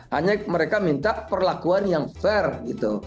hanya mereka minta perlakuan yang fair gitu